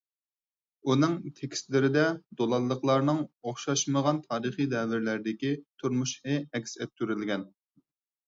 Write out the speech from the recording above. ئۇنىڭ تېكىستلىرىدە دولانلىقلارنىڭ ئوخشاشمىغان تارىخىي دەۋرلەردىكى تۇرمۇشى ئەكس ئەتتۈرۈلگەن.